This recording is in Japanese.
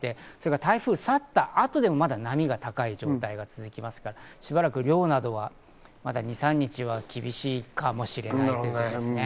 台風が去った後でも、まだ波が高い状態が続きますから、しばらく漁などは、まだ２３日は厳しいかもしれないですね。